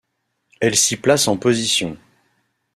Elle s'y place en position.